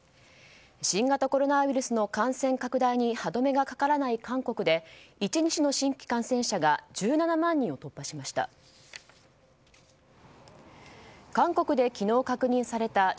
新型コロナウイルスの感染拡大に歯止めがかからない韓国で１日の新規感染者が１７万人を突破しました。